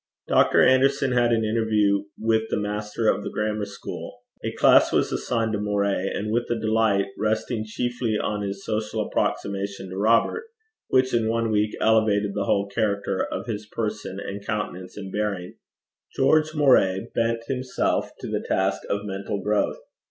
Dr. Anderson had an interview with the master of the grammar school; a class was assigned to Moray, and with a delight, resting chiefly on his social approximation to Robert, which in one week elevated the whole character of his person and countenance and bearing, George Moray bent himself to the task of mental growth.